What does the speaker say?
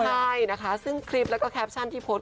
ใช่นะคะซึ่งคลิปแล้วก็แคปชั่นที่โพสต์